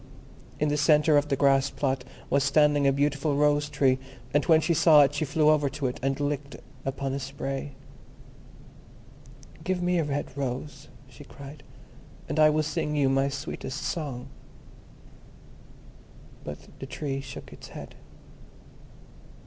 In the centre of the grass plot was standing a beautiful Rose tree, and when she saw it she flew over to it, and lit upon a spray. "Give me a red rose," she cried, "and I will sing you my sweetest song." But the Tree shook its head.